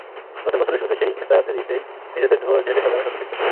নতুন বছরের শুরুতে সেই মেস্তায়াতে জিতেই নিজেদের ঢেলে সাজানোর স্বপ্ন দেখছিল তারা।